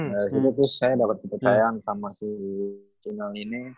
dari situ tuh saya dapet kepercayaan sama si inal ini